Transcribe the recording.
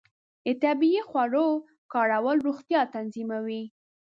د طبیعي خوړو کارول روغتیا تضمینوي.